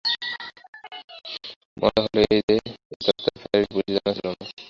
মজা হল এই যে, এই তত্ত্বটা প্যারির পুলিশের জানা ছিল না।